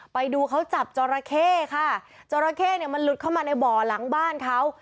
ไปดูเขาจับจอราเข้ค่ะจราเข้เนี่ยมันหลุดเข้ามาในบ่อหลังบ้านเขา